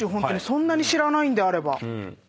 そんなに知らないんであれば。